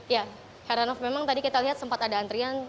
ya heranov memang tadi kita lihat sempat ada antrian